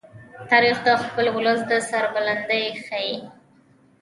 تاریخ د خپل ولس د سربلندۍ ښيي.